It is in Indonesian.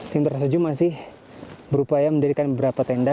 tim terasaju masih berupaya mendirikan beberapa tenda